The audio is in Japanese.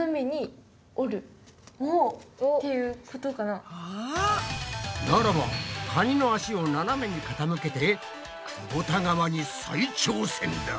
ならばカニの脚をななめにかたむけてくぼた川に再挑戦だ。